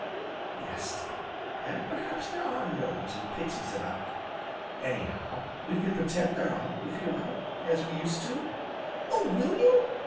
"Yes dear; and perhaps there are gnomes, and pixies about. Anyhow, we can pretend there are, if you like, as we used to " "Oh will you?